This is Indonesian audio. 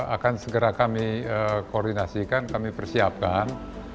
akan segera kami koordinasikan kami persiapkan